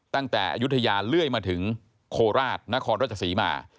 ตั้งแต่อยุธยาเลื่อยมาถึงโคลราชนครรถศรีมา